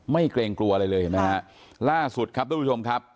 เกรงกลัวอะไรเลยเห็นไหมฮะล่าสุดครับทุกผู้ชมครับ